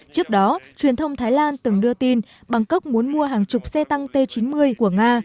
trước đó truyền thông thái lan từng đưa tin bangkok muốn mua hàng chục xe tăng t chín mươi của nga